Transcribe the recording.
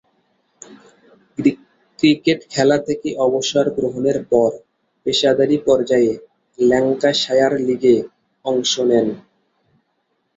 Cricket খেলা থেকে অবসর গ্রহণের পর পেশাদারী পর্যায়ে ল্যাঙ্কাশায়ার লীগে অংশ নেন।